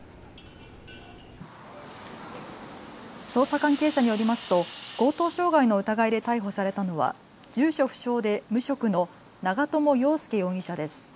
捜査関係者によりますと強盗傷害の疑いで逮捕されたのは住所不詳で無職の長友容維容疑者です。